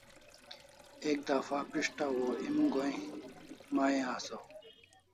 Ek hafta pis'taw o em goi mai asaw